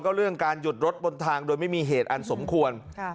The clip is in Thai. ก็เรื่องการหยุดรถบนทางโดยไม่มีเหตุอันสมควร